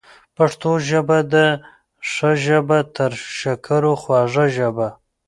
پښتو ژبه ده ښه ژبه، تر شکرو خوږه ژبه